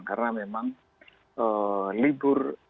karena memang libur